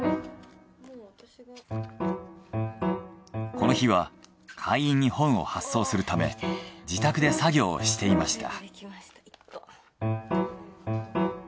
この日は会員に本を発送するため自宅で作業をしていました。